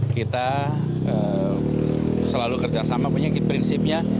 kita selalu kerjasama penyakit prinsipnya